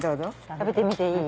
食べてみていい？